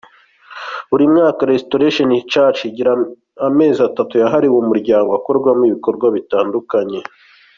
Buri mwaka Restaration Church igira amezi atatu yahariwe umuryango, akorwamo ibikorwa bitandukanye.